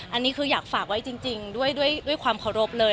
อันนี้คืออยากฝากไว้จริงด้วยความเคารพเลย